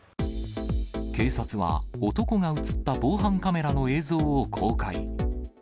警察は、男が写った防犯カメラの映像を公開。